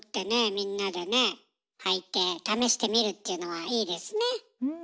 みんなで履いて試してみるっていうのはいいですね。